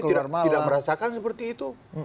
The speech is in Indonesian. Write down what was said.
tidak merasakan seperti itu